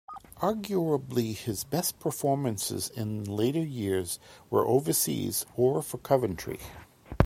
Arguably his best performances in later years were overseas or for Coventry.